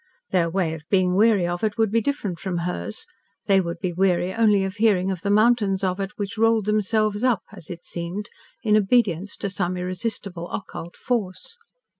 Their way of being weary of it would be different from hers, they would be weary only of hearing of the mountains of it which rolled themselves up, as it seemed, in obedience to some irresistible, occult force.